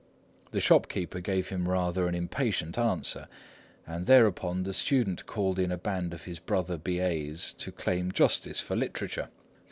The shopkeeper gave him rather an impatient answer, and thereupon the student called in a band of his brother B.A.'s to claim justice for literature.